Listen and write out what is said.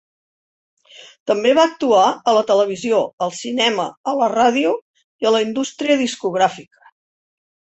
També va actuar a la televisió, al cinema, a la ràdio i a la indústria discogràfica.